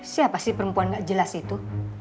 siapa sih perempuan gak jelas itu